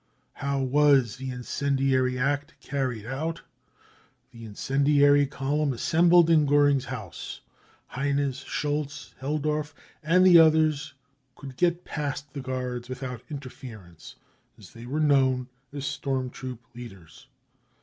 How Was the Incendiary Act Carried Out? The incendiary column assembled in Goering's house. Heines, Schulz, Helldorf and the others could get past the guards without interference, as they were known as storm troop leaders.